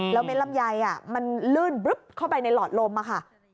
แล้วเม็ดลำยัยอ่ะมันลื่นบลึ๊บเข้าไปในหลอดลมอ่ะค่ะ